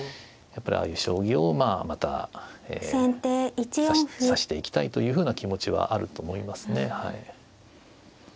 やっぱりああいう将棋をまた指していきたいというふうな気持ちはあると思いますねはい。